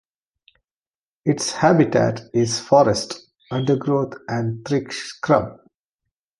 Its habitat is forest undergrowth and thick scrub.